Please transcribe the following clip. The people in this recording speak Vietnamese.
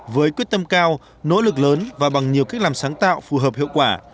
với quyết tâm cao nỗ lực lớn và bằng nhiều cách làm sáng tạo phù hợp hiệu quả